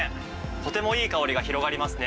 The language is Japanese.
とてもいい香りが広がりますね。